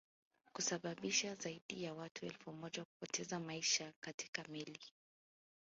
kusababisha zaidi ya watu elfu moja kupoteza maisha katika Meli hiyo